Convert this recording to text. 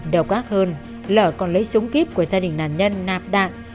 đầu quát hơn lở còn lấy súng kiếp của gia đình nạn nhân nạp đạn